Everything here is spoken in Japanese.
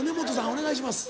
お願いします。